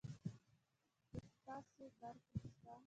د تاسي برق شته